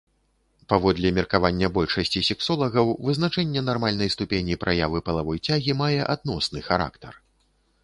Паводле меркавання большасці сексолагаў, вызначэнне нармальнай ступені праявы палавой цягі мае адносны характар.